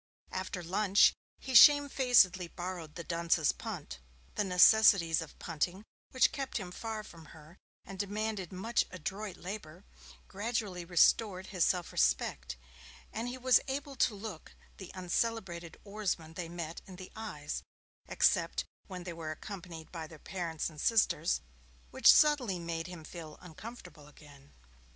After lunch he shamefacedly borrowed the dunce's punt. The necessities of punting, which kept him far from her, and demanded much adroit labour, gradually restored his self respect, and he was able to look the uncelebrated oarsmen they met in the eyes, except when they were accompanied by their parents and sisters, which subtly made him feel uncomfortable again.